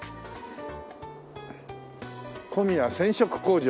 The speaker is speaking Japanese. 「小宮染色工場」